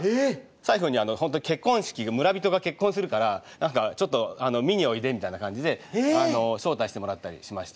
最後に結婚式村人が結婚するからちょっと見においでみたいな感じで招待してもらったりしました。